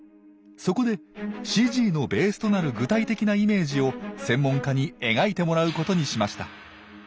そこでＣＧのベースとなる具体的なイメージを専門家に描いてもらうことにしました。